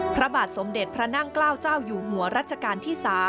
พระบาทสมเด็จพระนั่งเกล้าเจ้าอยู่หัวรัชกาลที่๓